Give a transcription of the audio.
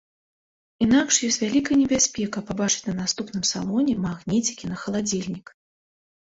Інакш ёсць вялікая небяспека пабачыць на наступным салоне магніцікі на халадзільнік.